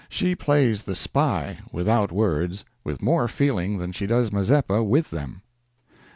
She plays the Spy, without words, with more feeling than she does Mazeppa with them.